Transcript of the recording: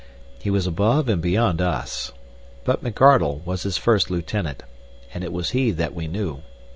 He was above and beyond us. But McArdle was his first lieutenant, and it was he that we knew.